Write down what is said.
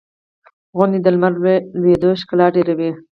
• غونډۍ د لمر لوېدو ښکلا ډېروي.